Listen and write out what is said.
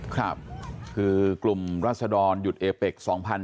ครับคือกลุมรัฐศดรหยุดเอเฟค๒๐๒๒